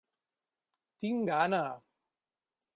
Tinc gana.